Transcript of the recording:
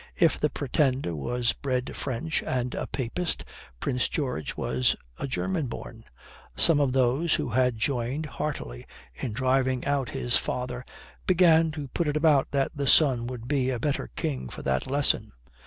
If the Pretender was bred French and a Papist, Prince George was a German born. Some of those who had joined heartily in driving out his father began to put it about that the son would be a better king for that lesson.